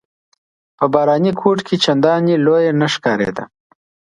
په باراني کوټ کې چنداني لویه نه ښکارېده.